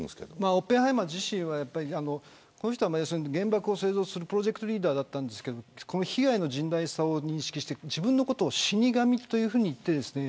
オッペンハイマー自身はこの人は要するに原爆を製造するプロジェクトのリーダーだったんですが被害の甚大さを認識して自分のことを死に神というふうに言ってですね